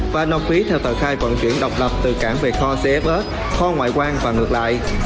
và nộp phí theo tờ khai vận chuyển độc lập từ cảng về kho xe bớt kho ngoại quan và ngược lại